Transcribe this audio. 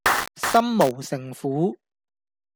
心無城府￼